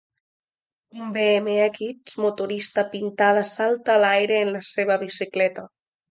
Un BMX motorista pintada salta a l'aire en la seva bicicleta.